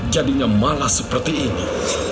jadinya malah seperti ini